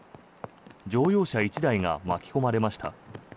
乗用車１台が巻き込まれました。